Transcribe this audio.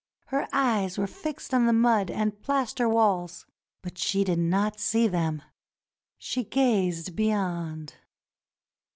Her eyes were fixed on the mud and plaster walls, but she did not see them. She gazed be yond.